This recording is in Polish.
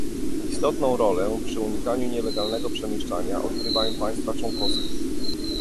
Istotną rolę przy unikaniu nielegalnego przemieszczania odgrywają państwa członkowskie